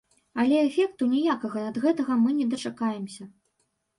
Але эфекту ніякага ад гэтага мы не дачакаемся.